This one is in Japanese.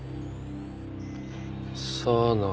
さあな。